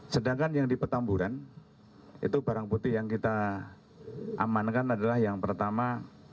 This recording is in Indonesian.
sedangkan yang di petamburan itu barang putih yang kita amankan adalah yang pertama